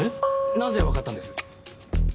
なぜわかったんです？